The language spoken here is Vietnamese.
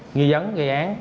nghi dấn gây án